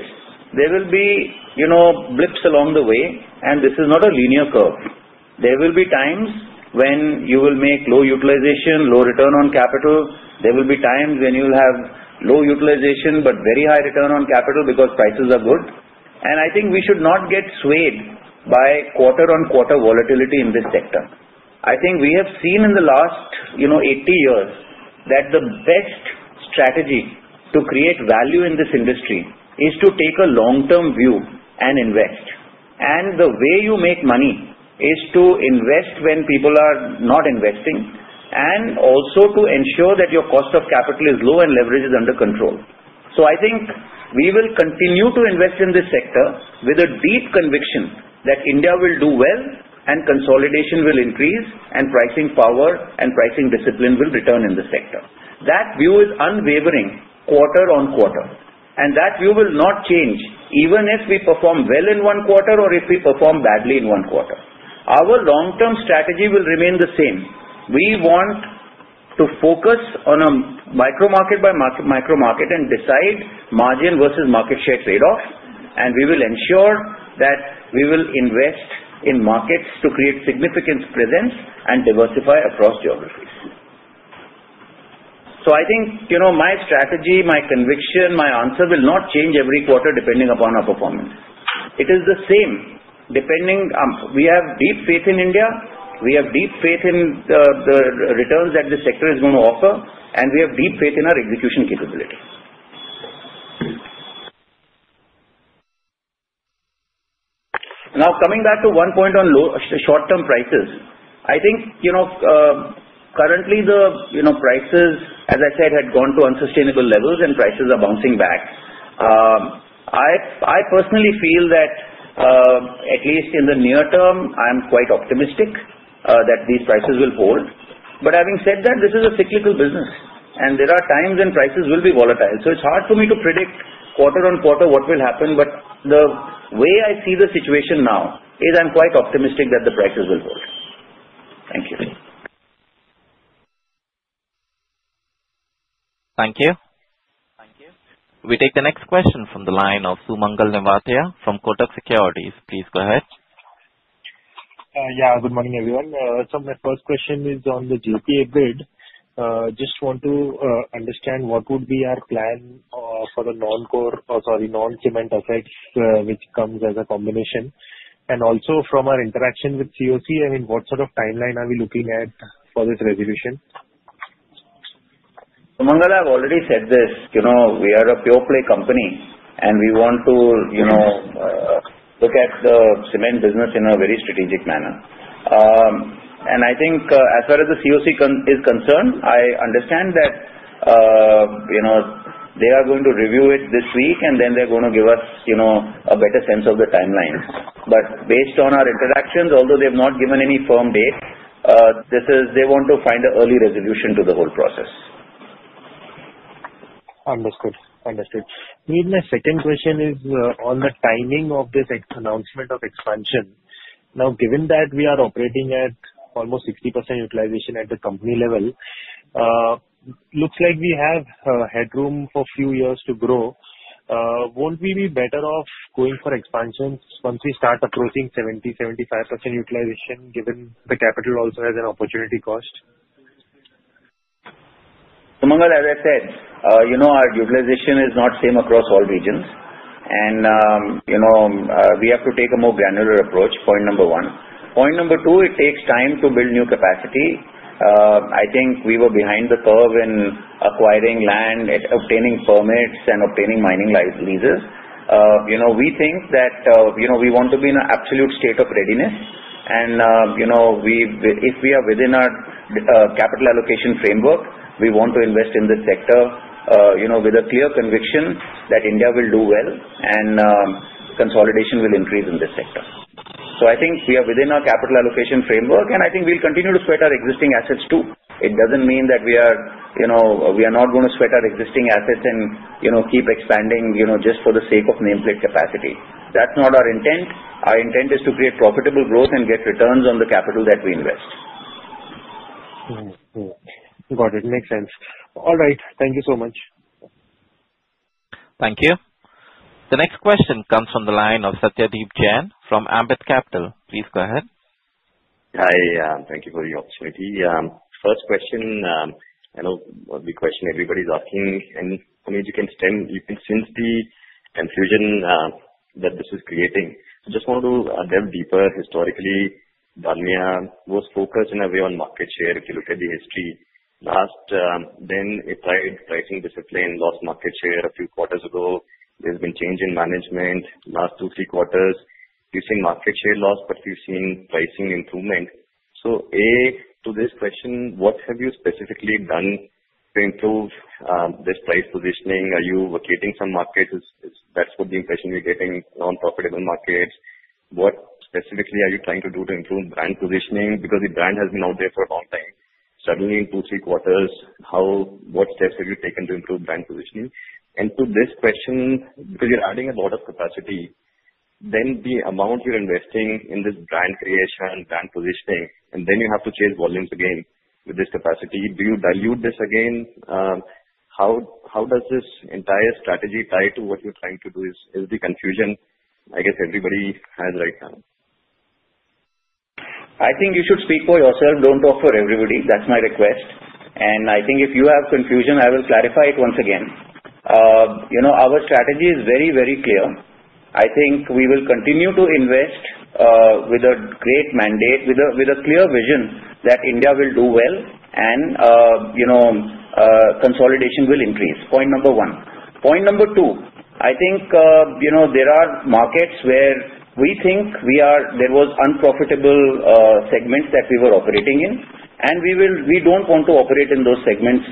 there will be blips along the way. This is not a linear curve. There will be times when you will make low utilization, low return on capital. There will be times when you have low utilization but very high return on capital because prices are good. I think we should not get swayed by quarter-on-quarter volatility in this sector. We have seen in the last 80 years that the best strategy to create value in this industry is to take a long-term view and invest. The way you make money is to invest when people are not investing and also to ensure that your cost of capital is low and leverage is under control. We will continue to invest in this sector with a deep conviction that India will do well and consolidation will increase and pricing power and pricing discipline will return in the sector. That view is unwavering quarter-on-quarter and that view will not change. Even if we perform well in one quarter or if we perform badly in one quarter, our long-term strategy will remain the same. We want to focus on a micro market by micro market and decide margin versus market share trade-offs, and we will ensure that we will invest in markets to create significant presence and diversify across geographies. My strategy, my conviction, my answer will not change every quarter depending upon our performance. It is the same depending. We have deep faith in India, we have deep faith in the returns that the sector is going to offer, and we have deep faith in our execution capability. Coming back to one point on low short-term prices, currently the prices, as I said, had gone to unsustainable levels and prices are bouncing back. I personally feel that at least in the near term I am quite optimistic that these prices will fall. Having said that, this is a cyclical business and there are times when prices will be volatile, so it's hard for me to predict quarter on quarter what will happen. The way I see the situation now is I'm quite optimistic that the prices will hold. Thank you. Thank you. Thank you. We take the next question from the line of Sumangal Navatia from Kotak Securities. Please go ahead. Yeah, good morning everyone. My first question is on the JAL bid. Just want to understand what would be our plan for the non-core, sorry, non-cement assets which come as a combination and also from our interaction with CoC. I mean, what sort of timeline are we looking at for this resolution? Mangal, I've already said this, we are a pure play company and we want to look at the cement business in a very strategic manner. As far as the CoC is concerned, I understand that they are going to review it this week and then they are going to give us a better sense of the timeline. Based on our interactions, although they have not given any firm date, they want to find an early resolution to the whole process. Understood? Understood. My second question is on the timing of this announcement of expansion. Now, given that we are operating at almost 60% utilization at the company level, looks like we have headroom for a few years to grow. Won't we be better off going for expansions once we start approaching 70%, 75% utilization given the capital also has an opportunity cost? As I said, our utilization is not the same across all regions and we have to take a more granular approach. Point number one. Point number two, it takes time to build new capacity. I think we were behind the curve in acquiring land, obtaining permits, and obtaining mining leases. We think that we want to be in an absolute state of readiness and, if we are within our capital allocation framework, we want to invest in this sector with a clear conviction that India will do well and consolidation will increase in this sector. We are within our capital allocation framework and we will continue to sweat our existing assets too. It doesn't mean that we are not going to sweat our existing assets and keep expanding just for the sake of nameplate capacity. That's not our intent. Our intent is to create profitable growth and get returns on the capital that we invest. Got it? Makes sense. All right, thank you so much. Thank you. The next question comes from the line of Satyadeep Jain from Ambit Capital. Please go ahead. Hi. Thank you for the opportunity. First question, the question everybody is asking and you can sense the confusion that this is creating. I just want to delve deeper. Historically Dalmia was focused in a way on market share. If you look at the history last then applied pricing discipline lost market share a few quarters ago. There's been change in management last two, three quarters. You've seen market share loss but you've seen pricing improvement. To this question, what have you specifically done to improve this price positioning? Are you vacating some markets? That's what the impression we're getting, non-profitable markets. What specifically are you trying to do to improve brand positioning? Because the brand has been out there for a long time, suddenly in two, three quarters, what steps have you taken to improve brand positioning? To this question, because you're adding. A lot of capacity, then the amount you're investing in this brand creation, brand positioning, and then you have to change volumes again with this capacity. Do you dilute this again? How does this entire strategy tie to what you're trying to do? Is the confusion I guess everybody has right now. I think you should speak for yourself. Don't talk for everybody. That's my request, and I think if you have confusion, I will clarify it. Once again, our strategy is very, very clear. I think we will continue to invest with a great mandate, with a clear vision that India will do well and consolidation will increase. Point number one. Point number two, I think there are markets where we think we are, there were unprofitable segments that we were operating in, and we don't want to operate in those segments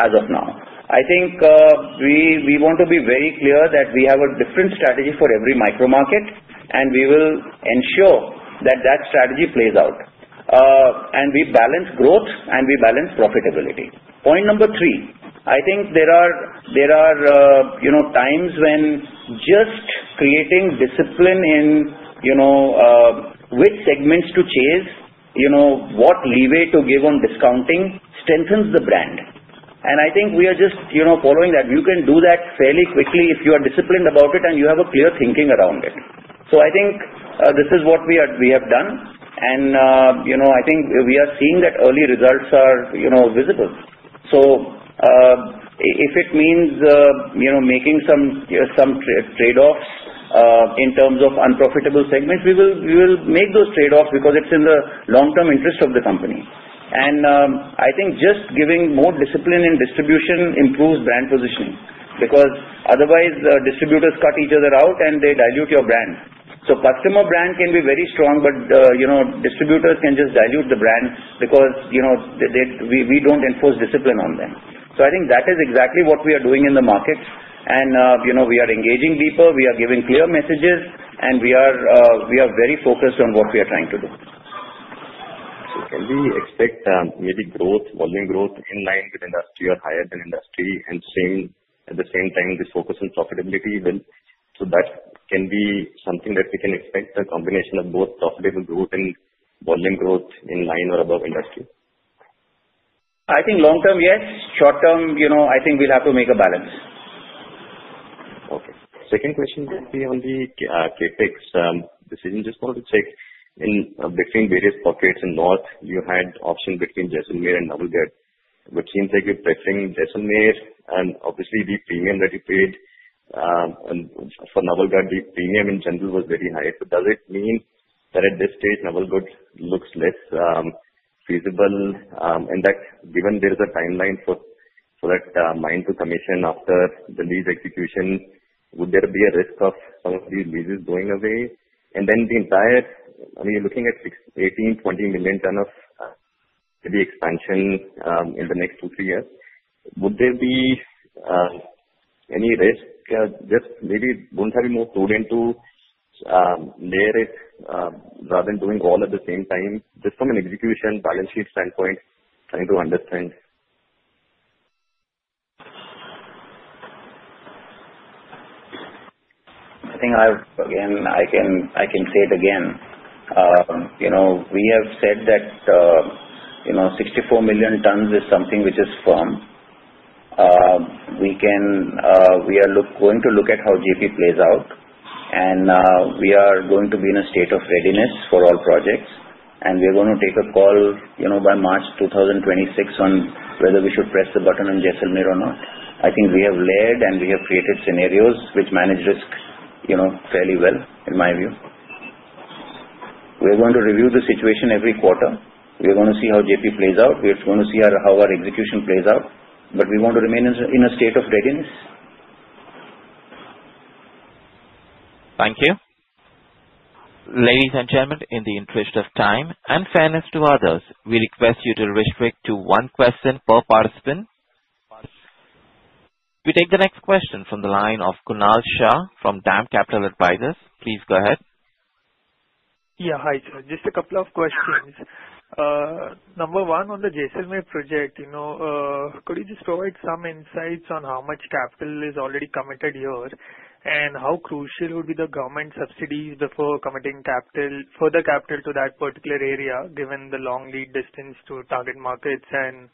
as of now. I think we want to be very clear that we have a different strategy for every micro market, and we will ensure that that strategy plays out and we balance growth and we balance profitability. Point number three, I think there are times when just creating discipline in which segments to chase, what leeway to give on discounting, strengthens the brand. I think we are just following that. You can do that fairly quickly if you are disciplined about it and you have a clear thinking around it. I think this is what we have done, and I think we are seeing that early results are visible. If it means making some trade offs in terms of unprofitable segments, we will make those trade offs because it is in the long-term interest of the company. I think just giving more discipline in distribution improves brand positioning because otherwise distributors cut each other out and they die. Dilute your brand. Customer brand can be very strong, but you know distributors can just dilute the brand because you know we don't enforce discipline on them. I think that is exactly what we are doing in the markets, and you know, we are engaging deeper, we are giving clear messages, and we are, we are very focused on what we are trying to do. Can we expect maybe growth, volume growth in line with industry or higher than industry, and at the same time this focus on profitability? That can be something that we can expect, a combination of both profitable growth and volume growth in line or above industry? I think long term, yes. Short term, I think we'll have to make a balance. Okay, second question would be on the CapEx decision. Just wanted to check in between various pockets in north. You had option between Jaisalmer and Navalgate but seems like you're pressuring Jaisalmer. Obviously, the premium that you paid for Navalgate, the premium in general was very high. Does it mean that at this stage Navalgate looks less feasible and that given there is a timeline for that mine to commission after the lease execution, would there be a risk of some of these leases going away? You're looking. At 18, 20 million ton of the expansion in the next two, three years, would there be any risk? Just maybe don't have any more prudent to layer it rather than doing all at the same time, just from an execution balance sheet standpoint. Trying to understand. I think I can say it again. We have said that 64 million tons is something which is firm. We are going to look at how JP plays out, and we are going to be in a state of readiness for all projects. We are going to take a call by March 2026 on whether we should press the button on Jaisalmer or not. I think we have led and we have created scenarios which manage risk fairly well in my view. We are going to review the situation every quarter. We are going to see how JP plays out, we are going to see how our execution plays out. We want to remain in a state of readiness. Thank you. Ladies and gentlemen, in the interest of time and fairness to others, we request you to restrict to one question per participant. We take the next question from the line of Kunal Shah from Dam Capital Advisors. Please go ahead. Yeah. Hi sir, just a couple of questions. Number one, on the Jaisalmer project, could you just provide some insights on how much capital is already committed here, and how crucial would be the government subsidies before committing further capital to that particular area, given the long lead distance to target markets and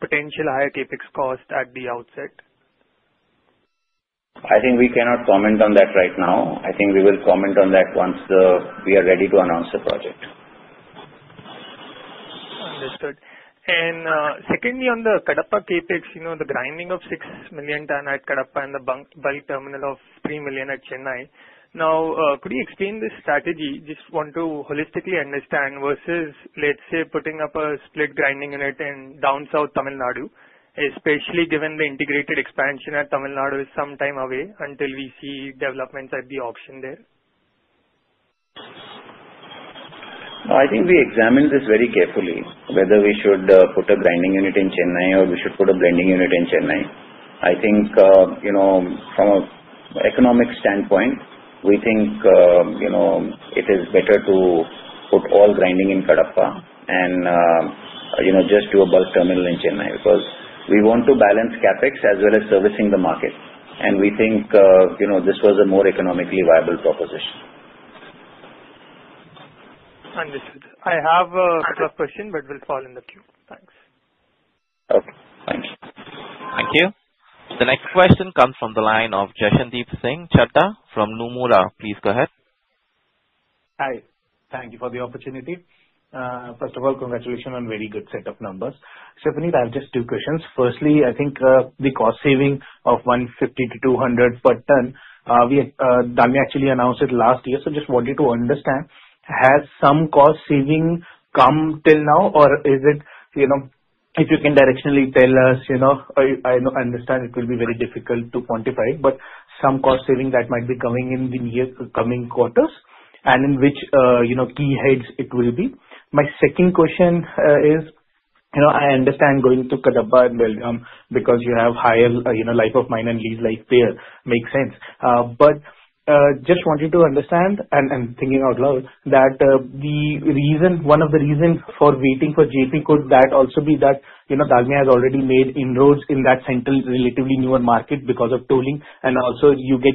potential higher CapEx cost at the outset. I think we cannot comment on that right now. I think we will comment on that once we are ready to announce the project. Understood. Secondly, on the Kadapa capex, the grinding of 6 million ton at Kadapa and the bulk terminal of 3 million at Chennai, could you explain this strategy? I just want to holistically understand versus putting up a split grinding unit in down south Tamil Nadu, especially given the integrated expansion at Tamil Nadu is some time away until we see development at the auction there. I think we examined this very carefully, whether we should put a grinding unit in Chennai or we should put a blending unit in Chennai. I think from an economic standpoint, we think it is better to put all grinding in Kadapa and just do a bulk terminal in Chennai because we want to balance CapEx as well as servicing the market. We think this was a more economically viable proposition. Understood. I have a question, but will fall in the queue. Thank you. The next question comes from the line of Jaishanteep Singh Chaddha from Nomura. Please go ahead. Hi. Thank you for the opportunity. First of all, congratulations on very good set of numbers. Stephanie, I have just two questions. Firstly, I think the cost saving of 150 to 200 per ton, we actually announced it last year. I just wanted to understand has some cost saving come till now or is it, you know, if you can directionally tell us, you know, I understand it will be very difficult to quantify but some cost saving that might be coming in the coming quarters and in which key heads it will be. My second question is I understand going to Kadapa and Belgaum because you have higher life of mine and lease life there makes sense. I just want to understand and thinking out loud that one of the reasons for waiting for Jaiprakash Associates Limited could that also be that Dalmia Bharat Limited has already made inroads in that central relatively newer market because of tolling and also you get.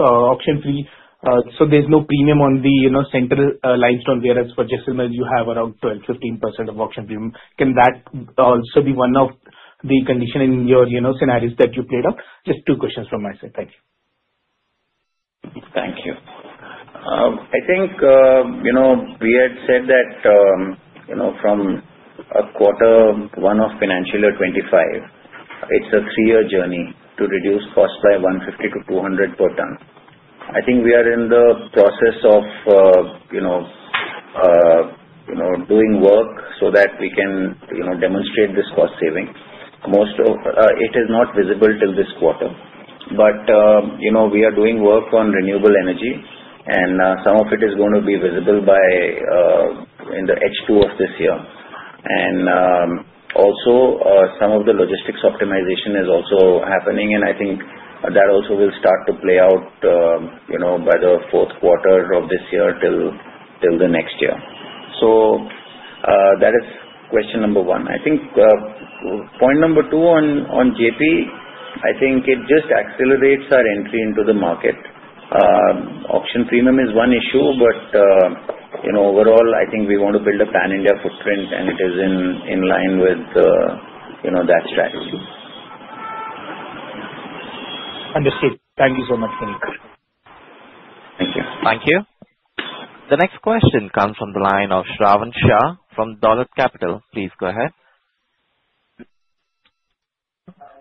Auction free, so there's no premium. On the central limestone, whereas for Jaisalmer you have around 12-15% of auction premium. Can that also be one of the conditions in your scenarios that you played out? Just two questions from my side. Thank you. Thank you. I think we had said that from quarter one of financial year 2025, it's a three-year journey to reduce cost by 150 to 200 per tonne. I think we are in the process of doing work so that we can demonstrate this cost saving. Most of it is not visible till this quarter, but we are doing work on renewable energy and some of it is going to be visible in the H2 of this year. Also, some of the logistics optimization is happening and I think that will start to play out by the fourth quarter of this year till the next year. That is question number one. Point number two, on JAL, I think it just accelerates our entry into the market. Auction premium is one issue, but overall I think we want to build a pan-India footprint and it is in line with that strategy. Understood. Thank you so much. Thank you. The next question comes from the line of Shravan Shah from Dalit Capital. Please go ahead.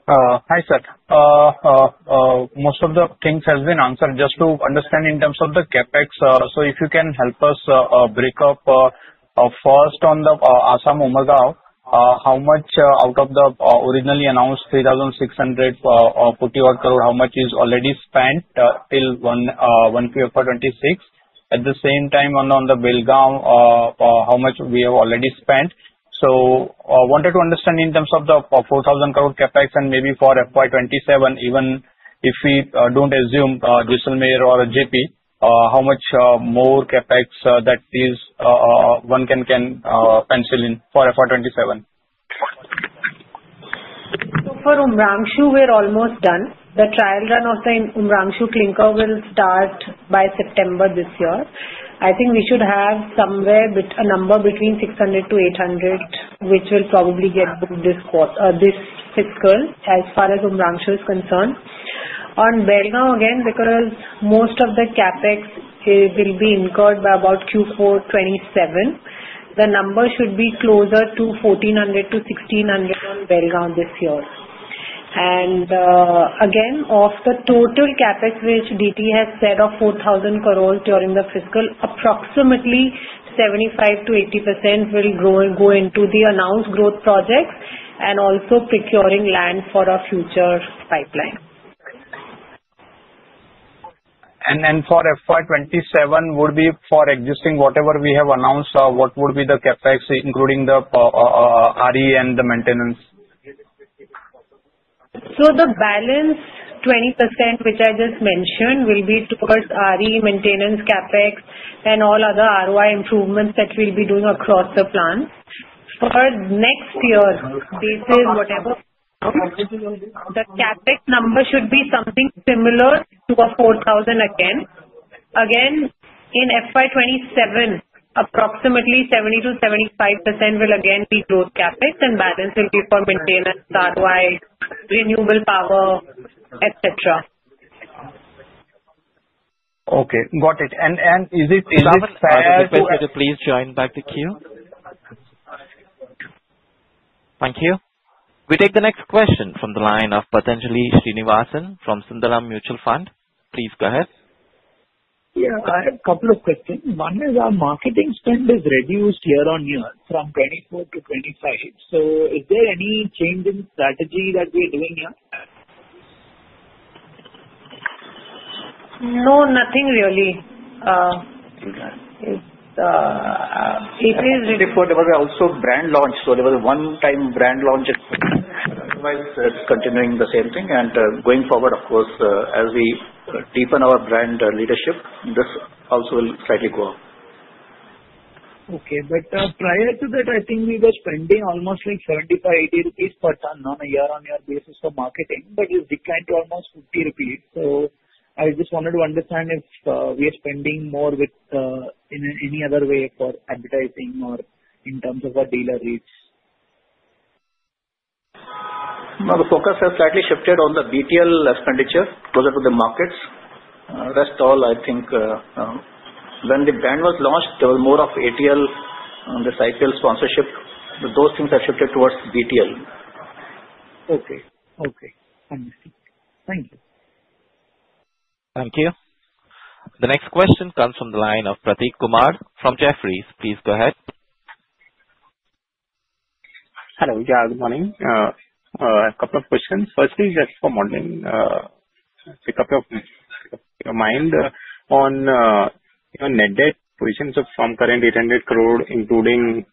Hi sir, most of the things have. Just to understand in terms of the CapEx, if you can help us break up first on the Assam, how much out of the originally announced 3,641 crore, how much is already spent till Q1 FY26. At the same time, on the Belgaum, how much we have already spent. I wanted to understand in terms of the 4,000 crore CapEx, and maybe for FY27, even if we don't assume Dalmia Bharat or Jaiprakash Associates Limited, how much more CapEx one can pencil in for FY27. For Umrangshu we're almost done. The trial run of the Umrangshu clinker will start by September this year. I think we should have somewhere a number between 600 to 800 which will probably get booked this fiscal as far as Umrangshu is concerned. On Belgaum again, because most of the CapEx will be incurred by about Q4 2027, the number should be closer to 1,400 to 1,600 on Belgaum this year. Again, of the total CapEx which Dharmender Tuteja has set of 4,000 crore during the fiscal, approximately 75% to 80% will go into the announced growth projects and also procuring land for our future pipeline. For FY27, would be for existing whatever we have announced, what would be the CapEx including the RE and the maintenance? The balance 20% which I just mentioned will be towards RE maintenance, CapEx and all other ROI improvements that we'll be doing across the plan for next year. Whatever the CapEx number, it should be something similar to 4,000 million. Again, in FY 2027, approximately 70% to 75% will again be growth CapEx and the balance will be for maintenance, ROI, renewable power, etc. Okay, got it. It is requested to please join back the queue. Thank you. We take the next question from the line of Patanjali Srinivasan from Sundaram Mutual Fund. Please go ahead. Yeah, I have a couple of questions. One is our marketing spend is reduced year on year from 2024 to 2025. Is there any change in strategy that we are doing here? No, nothing really. There was also a brand launch, so there was a one-time brand launch. Otherwise, it's continuing the same thing, and going forward, of course, as we deepen our brand leadership, this also will slightly go up. Prior to that, I think we were spending almost 75-80 rupees per ton on a year-on-year basis for marketing, but it's declined to almost 50 rupees. I just wanted to understand if we are spending more in any other way for advertising or in terms of our dealer rates. Now the focus has slightly shifted on the BTL expenditure closer to the markets. When the brand was launched, there was more of ATL, this IPL sponsorship. Those things are shifted towards BTL. Okay. Thank you. Thank you. The next question comes from the line of Pratik Kumar from Jefferies. Please go ahead. Hello, good morning. A couple of questions. Firstly, just for modeling your mind on. Your net debt positions from current 800 crore including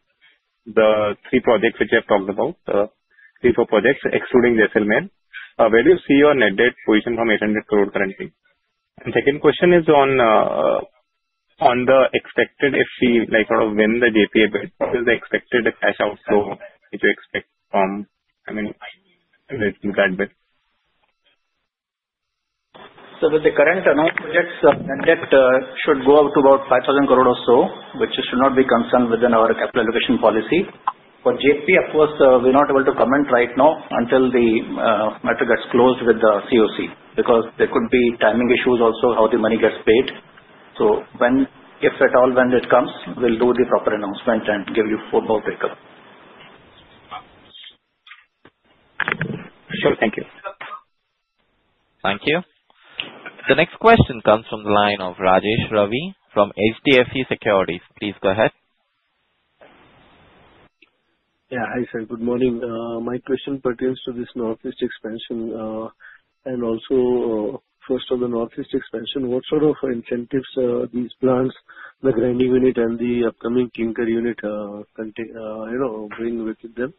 the three projects which I've talked about, three, four projects excluding Jaisalmer. Where do you see your net debt? Position from 800 crore currently? The second question is on. On the expected, if we like sort of when the JAL bit is the expected cash out, did you expect from, I mean that bit. With the current announced projects, debt should go up to about 5,000 crore or so, which should not be a concern within our capital allocation policy for JAL. Of course, we're not able to comment right now until the matter gets closed with the CoC, because there could be timing issues also, how the money gets paid. If at all, when it comes to, we'll do the proper announcement and give you far more pickup. Thank you. The next question comes from the line of Rajesh Ravi from HDFC Securities. Please go ahead. Yeah, hi, sir, good morning. My question pertains to this northeast expansion and also first of the northeast expansion. What sort of incentives these plants, the grinding unit and the upcoming clinker unit. You know, bring with them?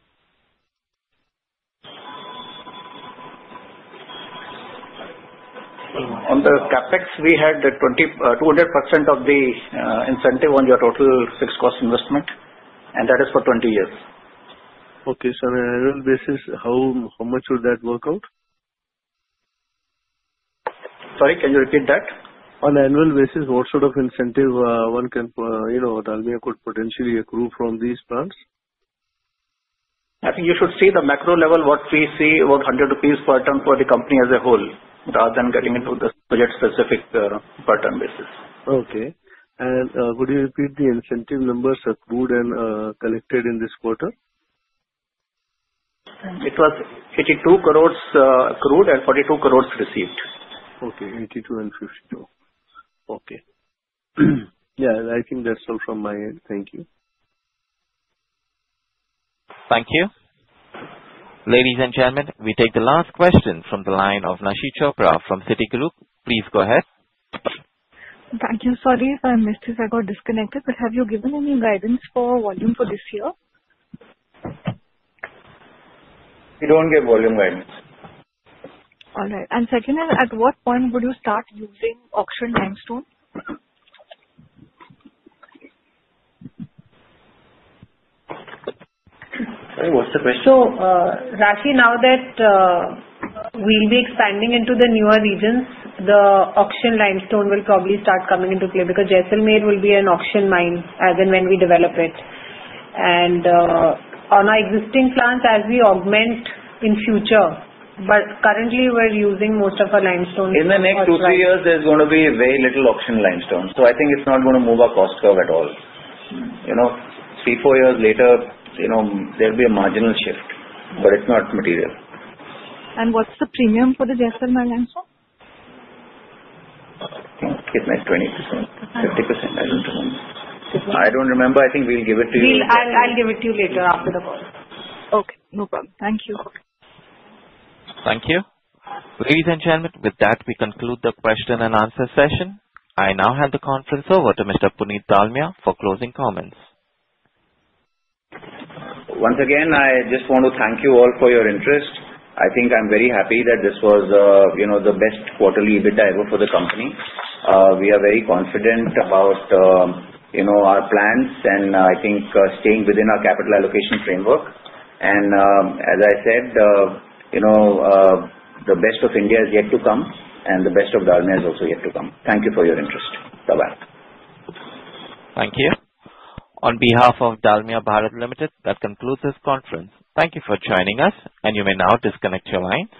On the CapEx, we had 20% of the incentive on your total fixed cost investment, and that is for 20 years. Okay. On an annual basis, how much would that work out? Sorry, can you repeat that? On annual basis, what sort of incentive one can, you know, Dalmia could potentially accrue from these plants? I think you should see the macro level. What we see was 100 rupees per ton for the company as a whole, rather than getting into the budget specific per ton basis. Okay. Would you repeat the incentive numbers accrued and collected in this quarter? It was 82 crore accrued and 42 crore received. Okay, 82 and 52. Okay. Yeah, I think that's all from my end. Thank you. Thank you. Ladies and gentlemen, we take the last question from the line of Nashee Chopra from Citigroup. Please go ahead. Thank you. Sorry if I missed, if I got disconnected, but have you given any guidance for volume for this year? You don't get volume guidance. All right, and second is at what point would you start using auction limestone? Rashi, now that we'll be expanding into the newer regions, the auction limestone will probably start coming into play. Jaisalmer will be an auction mine as and when we develop it and on our existing plants as we augment in future. Currently we're using most of our limestone. In the next two, three years, there's going to be very little auction limestone. I think it's not going to. Move our cost curve at all. Three, four years later, there'll be a marginal shift, but it's not material. What's the premium for the Dalmia lands for? I think it meant 20%, 50%. I don't remember. I don't remember. I think we'll give it to you. I'll give it to you later after the call. Okay, no problem. Thank you. Thank you, ladies and gentlemen. With that, we conclude the question and answer session. I now hand the conference over to Mr. Puneet Dalmia for closing comments. Once again, I just want to thank you all for your interest. I think I'm very happy that this was the best quarterly EBITDA ever for the company. We are very confident about our plans, and I think staying within our capital allocation framework. As I said. The best of. India is yet to come. The best of Dalmia is also yet to come. Thank you for your interest. Bye. Bye. Thank you on behalf of Dalmia Bharat Limited. That concludes this conference. Thank you for joining us. You may now disconnect your lines.